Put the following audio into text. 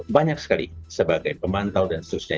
banyak sekali sebagai pemantau dan seterusnya